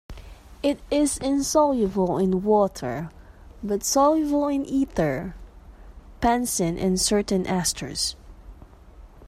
It is insoluble in water, but soluble in ether, benzene, and certain esters.